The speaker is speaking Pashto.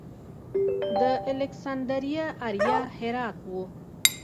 د الکسندریه اریا هرات و